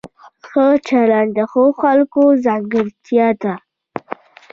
ښه چلند د ښو خلکو ځانګړتیا ده.